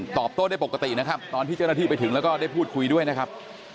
ตอบโต้ได้ปกตินะครับตอนที่เจ้าหน้าที่ไปถึงแล้วก็ได้พูดคุยด้วยนะครับ